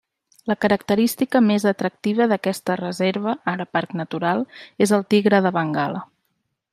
La característica més atractiva d'aquesta reserva, ara parc natural, és el tigre de Bengala.